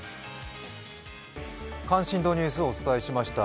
関心度ニュース、お伝えしました。